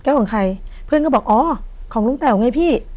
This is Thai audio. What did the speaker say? ของใครเพื่อนก็บอกอ๋อของลุงแต๋วไงพี่